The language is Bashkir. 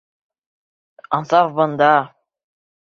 Ансаф бында!..